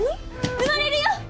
産まれるよ！